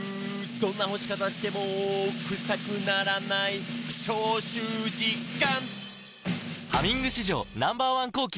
「どんな干し方してもクサくならない」「消臭実感！」